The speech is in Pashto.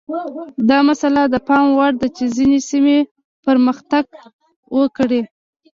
دا مسئله د پام وړ ده چې ځینې سیمې پرمختګ وکړي.